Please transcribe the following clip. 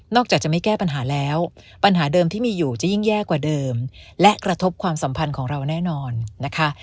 จากจะไม่แก้ปัญหาแล้วปัญหาเดิมที่มีอยู่จะยิ่งแย่กว่าเดิมและกระทบความสัมพันธ์ของเราแน่นอนนะคะ